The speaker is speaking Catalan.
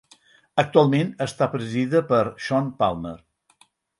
Actualment està presidida per Sean Palmer.